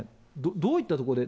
どういったところで。